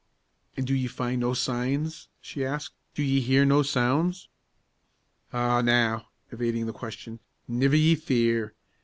"An' do ye find no signs?" she asked. "Do ye hear no sounds?" "Ah, now!" evading the question; "niver ye fear.